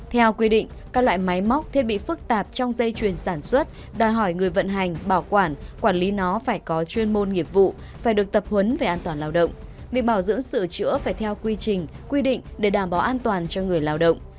theo quy định các loại máy móc thiết bị phức tạp trong dây chuyền sản xuất đòi hỏi người vận hành bảo quản quản lý nó phải có chuyên môn nghiệp vụ phải được tập huấn về an toàn lao động